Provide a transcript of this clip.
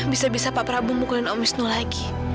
bisa bisa pak prabu mukulin om wisnu lagi